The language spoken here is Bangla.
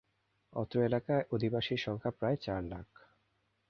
অত্র এলাকার অধিবাসীর সংখ্যা প্রায় চার লাখ।